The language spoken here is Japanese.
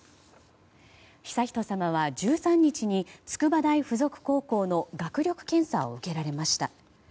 悠仁さまは１３日に筑波大附属高校の学力検査を受けられました。